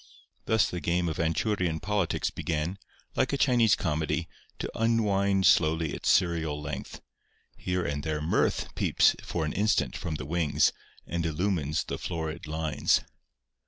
Thus the game of Anchurian politics began, like a Chinese comedy, to unwind slowly its serial length. Here and there Mirth peeps for an instant from the wings and illumines the florid lines.